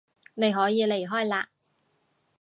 你可以離開嘞